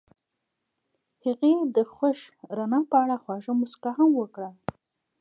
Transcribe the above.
هغې د خوښ رڼا په اړه خوږه موسکا هم وکړه.